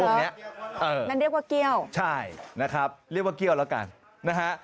งั้นเรียกว่าเกี้ยวใช่นะครับเรียกว่าเกี้ยวแล้วกันนะฮะ